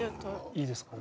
いいですか？